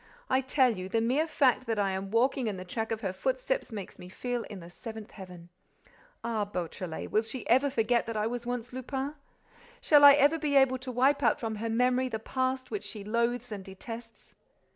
I tell you, the mere fact that I am walking in the track of her footsteps makes me feel in the seventh heaven. Ah, Beautrelet, will she ever forget that I was once Lupin? Shall I ever be able to wipe out from her memory the past which she loathes and detests?"